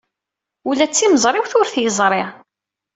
Ula d timeẓriwt ur t-yeẓri.